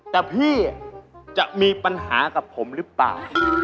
แต่พี่จะมีปัญหากับผมหรือเปล่า